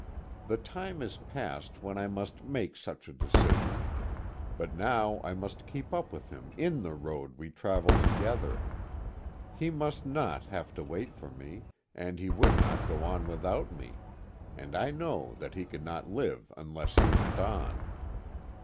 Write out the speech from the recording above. The time is past when I must make such a decision, but now I must keep up with him in the road we travel together. He must not have to wait for me and he would not go on without me and I know that he could not live unless he went on.